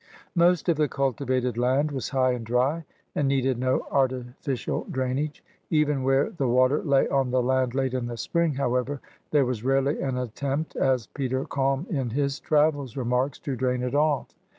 Most of the cultivated land was high and dry and needed no artificial drainage. Even where the water lay on the land late in the spring, however, there was rarely an attempt, as Peter Kalm in his Travels remarks, to drain it off.